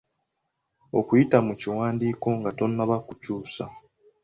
Okuyita mu kiwandiiko nga tonnaba kukyusa